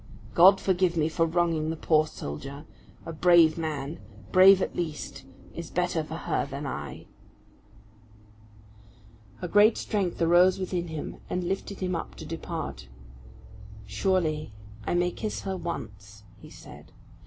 God forgive me for wronging the poor soldier! A brave man, brave at least, is better for her than I." A great strength arose within him, and lifted him up to depart. "Surely I may kiss her once," he said.